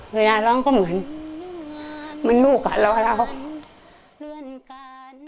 เวลาร้องก็เหมือนลูกอ่ะรอแล้ว